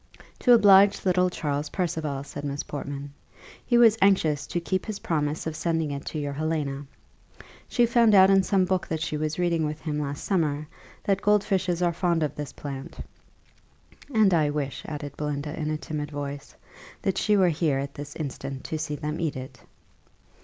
"To oblige little Charles Percival," said Miss Portman. "He was anxious to keep his promise of sending it to your Helena. She found out in some book that she was reading with him last summer, that gold fishes are fond of this plant; and I wish," added Belinda, in a timid voice, "that she were here at this instant to see them eat it."